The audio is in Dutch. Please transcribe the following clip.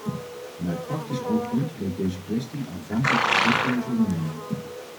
Vanuit praktisch oogpunt leek deze kwestie aanvankelijk een vruchteloze onderneming.